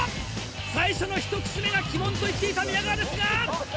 最初のひと口目が鬼門と言っていた宮川ですが。